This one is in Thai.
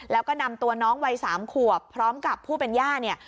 แล้วก็นำตัวน้องวัย๓ขวบพร้อมกับผู้เป็นย่าเนี่ย